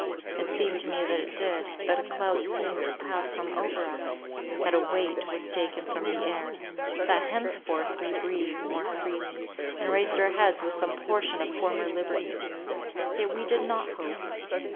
It seems to me that it did; that a cloud seemed to pass from over us, that a weight was taken from the air; that henceforth we breathed more freely, and raised our heads with some portion of former liberty. Yet we did not hope.